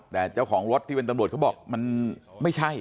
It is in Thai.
แต่เจ้าของรถที่เป็นตำรวจเขาบอกมันไม่ใช่